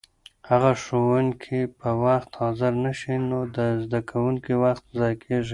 که ښوونکي په وخت حاضر نه شي نو د زده کوونکو وخت ضایع کېږي.